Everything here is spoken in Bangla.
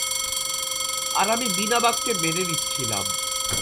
আর আমি বিনা বাক্যে মেনে নিচ্ছিলাম।